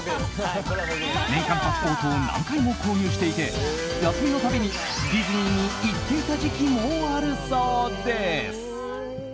年間パスポートを何回も購入していて休みのたびにディズニーに行っていた時期もあるそうです。